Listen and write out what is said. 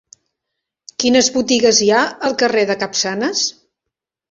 Quines botigues hi ha al carrer de Capçanes?